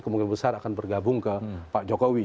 kemungkinan besar akan bergabung ke pak jokowi